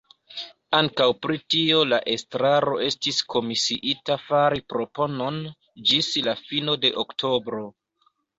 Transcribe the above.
Ankaŭ pri tio la Estraro estis komisiita fari proponon ĝis la fino de oktobro.